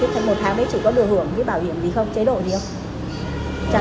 thì một tháng đấy chị có được hưởng cái bảo hiểm gì không chế độ gì không